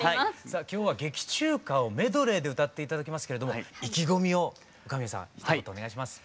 さあ今日は劇中歌をメドレーで歌って頂きますけれども意気込みを岡宮さんひと言お願いします。